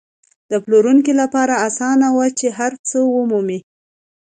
د پلورونکو لپاره اسانه نه وه چې هر څه ومومي.